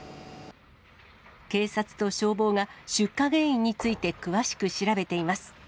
警察と消防が、出火原因について詳しく調べています。